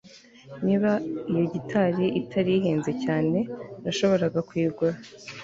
Niba iyo gitari itari ihenze cyane nashoboraga kuyigura